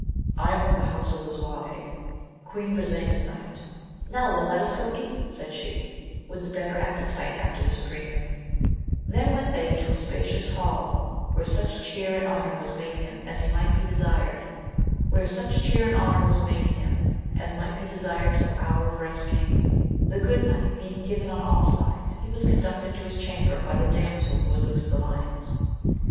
I am of the house of Lisuarte, Queen Brisena's knight. Now then, let us go eat, said she, with the better appetite after this agreement. Then went they into a spacious hall, where such cheer and honour was made him as might be desired till the hour of rest came. The good night being given on all sides, he was conducted to his chamber by the damsel who had loosed the lions.